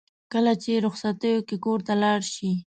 کله چې رخصتیو کې کور ته لاړ شي.